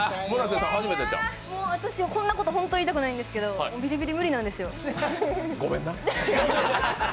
こんなこと言いたくないんですけどビリビリ、無理なんですよ。